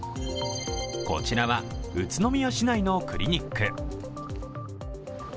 こちらは宇都宮市内のクリニック。